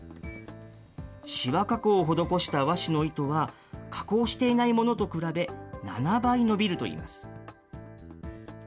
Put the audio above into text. しわ加工を施した和紙の糸は、加工していないものと比べ７倍伸びるといいます。